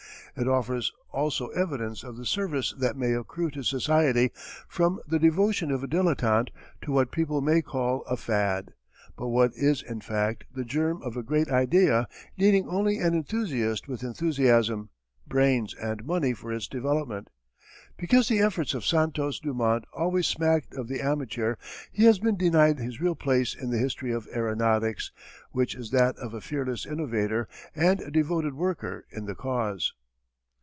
It offers also evidence of the service that may accrue to society from the devotion of a dilettante to what people may call a "fad," but what is in fact the germ of a great idea needing only an enthusiast with enthusiasm, brains, and money for its development. Because the efforts of Santos Dumont always smacked of the amateur he has been denied his real place in the history of aeronautics, which is that of a fearless innovator, and a devoted worker in the cause.